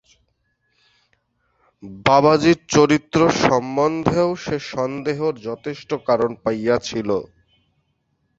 বাবাজীর চরিত্র সম্বন্ধেও সে সন্দেহের যথেষ্ট কারণ পাইয়াছিল।